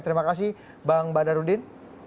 terima kasih bang badarudin